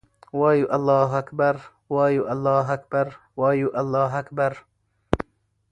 وایو الله اکــبر، وایو الله اکـــبر، وایـــــو الله اکــــــــبر